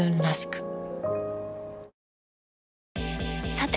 さて！